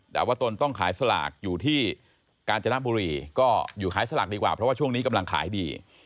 แต่ว่าตนต้องขายสลากอยู่ที่กาญจนบุรีก็อยู่ขายสลากดีกว่าเพราะว่าช่วงนี้กำลังขายดี